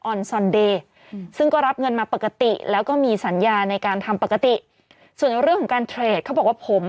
อนซอนเดย์ซึ่งก็รับเงินมาปกติแล้วก็มีสัญญาในการทำปกติส่วนในเรื่องของการเทรดเขาบอกว่าผม